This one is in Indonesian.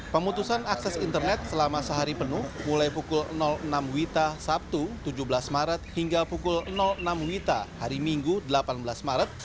pemutusan akses internet selama sehari penuh mulai pukul enam wita sabtu tujuh belas maret hingga pukul enam wita hari minggu delapan belas maret